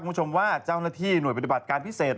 คุณผู้ชมว่าเจ้าหน้าที่หน่วยปฏิบัติการพิเศษ